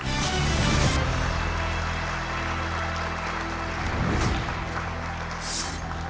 เชิญน้องแบงค์มาตอบชีวิตเป็นคนต่อไปครับ